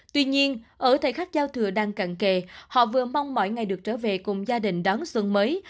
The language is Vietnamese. tuy nhiên ở thời khắc giao thừa đang cận kề họ vừa mong mọi ngày được trở về cùng gia đình đón xuân mới